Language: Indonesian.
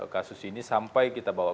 kasus ini sampai kita bawa